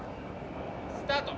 スタート！